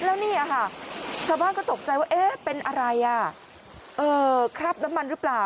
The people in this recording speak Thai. แล้วนี่ชาวบ้านก็ตกใจว่าเป็นอะไรครับน้ำมันหรือเปล่า